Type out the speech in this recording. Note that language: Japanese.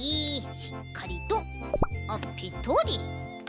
しっかりとあっペトリ。